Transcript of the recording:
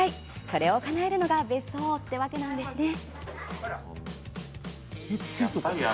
それをかなえるのが別荘ってわけなんですね。